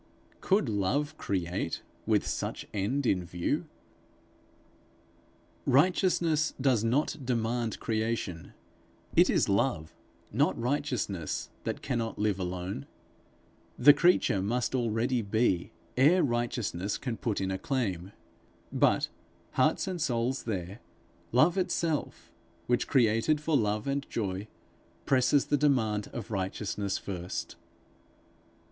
Could Love create with such end in view? Righteousness does not demand creation; it is Love, not Righteousness, that cannot live alone. The creature must already be, ere Righteousness can put in a claim. But, hearts and souls there, Love itself, which created for love and joy, presses the demand of Righteousness first.